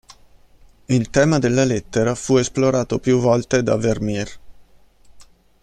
Il tema della lettera fu esplorato più volte da Vermeer.